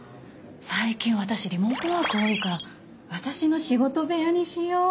最近私リモートワーク多いから私の仕事部屋にしよう。